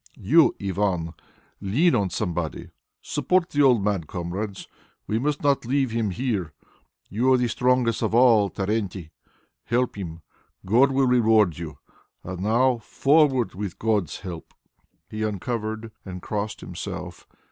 You, Ivan, lean on somebody. Support the old man, comrades. We must not leave him here. You are the strongest of all, Terenti, help him. God will reward you. And now forward with God's help!" He uncovered and crossed himself.